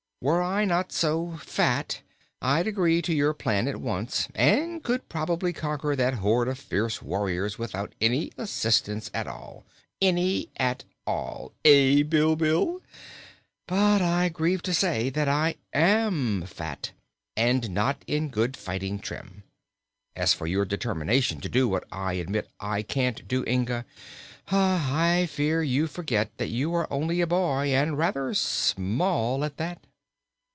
Were I not so fat, I'd agree to your plan at once, and could probably conquer that horde of fierce warriors without any assistance at all any at all eh, Bilbil? But I grieve to say that I am fat, and not in good fighting trim. As for your determination to do what I admit I can't do, Inga, I fear you forget that you are only a boy, and rather small at that."